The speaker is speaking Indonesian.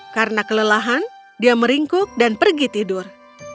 karena kelelahan dia meringkuk dan pergi tidur